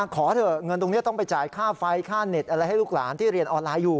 ขอเถอะเงินตรงนี้ต้องไปจ่ายค่าไฟค่าเน็ตอะไรให้ลูกหลานที่เรียนออนไลน์อยู่